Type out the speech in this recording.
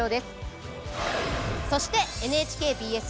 そしてＮＨＫＢＳ